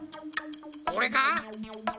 これか？